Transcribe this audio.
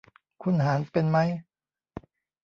คุณหารเป็นมั้ย